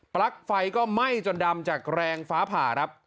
ลั๊กไฟก็ไหม้จนดำจากแรงฟ้าผ่าครับ